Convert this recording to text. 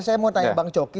saya mau tanya bang coki